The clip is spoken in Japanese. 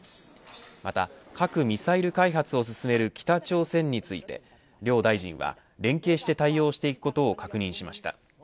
また、核・ミサイル開発を進める北朝鮮について両大臣は連携して対応していくことを確認しました。